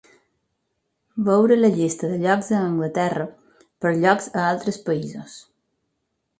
Veure la llista de llocs a Anglaterra per llocs a altres països.